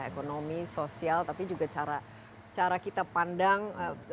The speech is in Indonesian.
ekonomi sosial tapi juga cara kita pandang